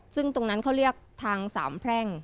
ซึ่งตรงนั้นเขาเรียกทางสามแพร่ง